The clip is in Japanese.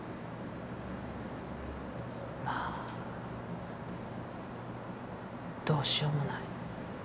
まあどうしようもない。